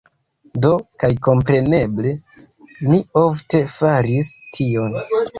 Do, kaj kompreneble, ni ofte faris tion.